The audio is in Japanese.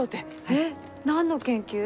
えっ何の研究？